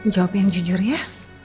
jawab yang jujur ya